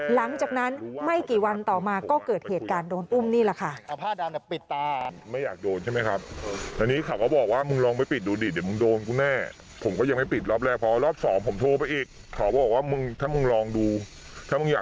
หลังจากนั้นไม่กี่วันต่อมาก็เกิดเหตุการณ์โดนอุ้มนี่แหละค่ะ